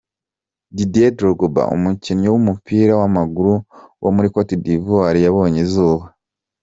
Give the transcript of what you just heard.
Didier Drogba, umukinnyi w’umupira w’amaguru wo muri Cote d’ivoire yabonye izuba.